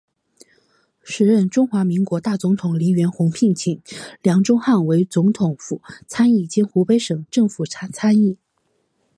时任中华民国大总统黎元洪聘请梁钟汉为总统府参议兼湖北省政府参议。